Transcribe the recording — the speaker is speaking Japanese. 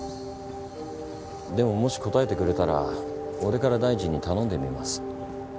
でももし答えてくれたら俺から大臣に頼んでみます。